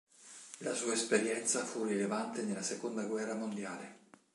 La sua esperienza fu rilevante nella seconda guerra mondiale.